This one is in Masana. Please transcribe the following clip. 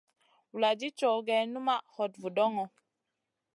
Vuladid cow gèh numaʼ hot vudoŋo.